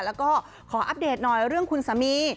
แล้วก็ขออัปเดตหน่อยเรื่องคุณสามี